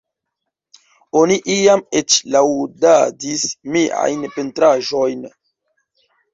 Oni iam eĉ laŭdadis miajn pentraĵojn.